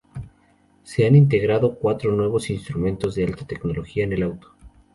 Se han integrado cuatro nuevos instrumentos de alta tecnología en el auto.